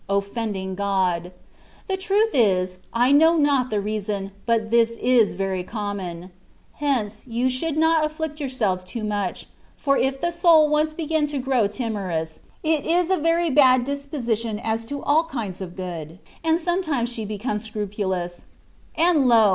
offending God.* The truth is, I know not the reason, but this is very common. Hence, you should not aflSict yourselves too much ; for if the sold once begin to grow timorous, it is a very bad disposition as to all kinds of good, and sometimes she becomes scrupulous ; and lo